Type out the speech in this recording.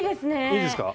いいですか？